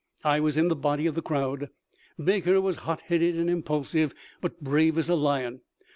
I was in the body of the crowd. Baker was hot headed and impulsive, but brave as a lion.